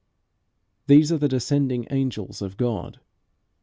These are the descending angels of God.